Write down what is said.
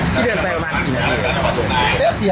ช่วยใช้นอกเข้าไป